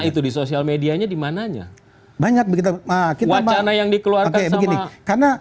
itu di sosial medianya dimananya banyak begitu wacana yang dikeluarkan sama karena